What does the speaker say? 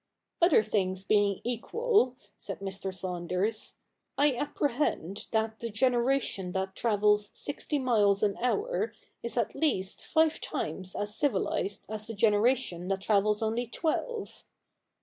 ' Other things being equal,' said Mr. Saunders, * I apprehend that the generation that travels sixty miles an hour is at least five times as civilised as the generation that travels only twelve.'